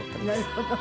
なるほど。